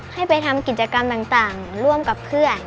ให้ไปทำกิจกรรมต่างร่วมกับเพื่อน